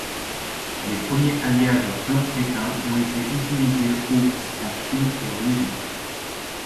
Les premiers alliages plomb-étain ont été utilisés au en Chine et en Égypte.